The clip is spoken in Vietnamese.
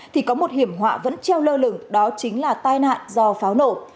thì có một hiểm họa vẫn treo lơ lửng đó chính là tai nạn do pháo nổ